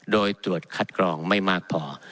โดยตรวจคัดกรองไม่มากพอ